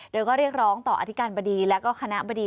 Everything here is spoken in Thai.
โดยก็เรียกร้องต่ออธิการบดีแล้วก็คณะบดี